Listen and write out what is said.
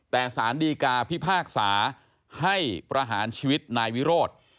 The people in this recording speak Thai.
แต่สารดีกาพิพากษาให้ประหารชีวิตนายวิโรธ